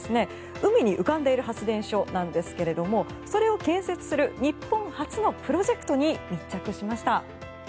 海に浮かんでいる発電所なんですがそれを建設する日本初のプロジェクトに密着しました。